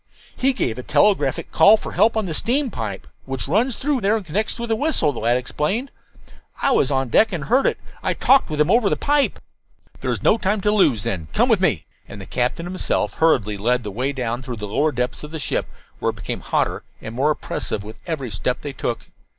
"He gave a telegraphic call for help on the steam pipe which runs through there and connects with the whistle," the lad explained. "I was on deck and heard it. I talked with him over the pipe." "There is no time to lose, then. Come with me." And the captain himself hurriedly led the way down through the lower depths of the ship, where it became hotter and more oppressive with every step they took.